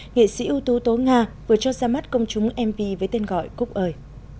nghệ sĩ ưu tú tố nga vừa cho ra mắt công chúng mv với tên gọi cúc ơi